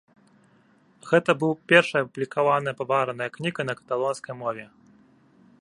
Гэта быў першая апублікаваная павараная кніга на каталонскай мове.